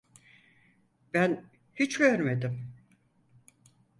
Ben hiç görmedim.